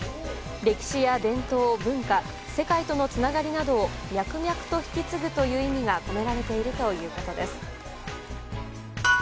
歴史や伝統、文化世界とのつながりなどを脈々と引き継ぐという意味が込められているということです。